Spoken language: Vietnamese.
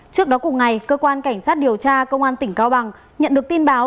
trước đó cùng ngày cơ quan cảnh sát điều tra công an tỉnh cao bằng nhận được tin báo